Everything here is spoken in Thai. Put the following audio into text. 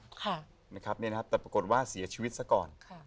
แต่ปรากฏว่าเสียชีวิตซะก่อนค่ะ